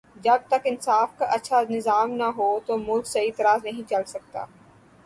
جب تک انصاف کا اچھا نظام نہ ہو تو ملک صحیح طرح نہیں چل سکتا